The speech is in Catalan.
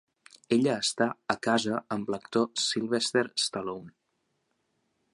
Ella està casa amb l'actor Sylvester Stallone.